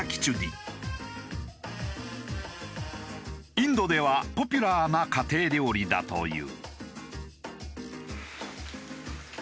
インドではポピュラーな家庭料理だという。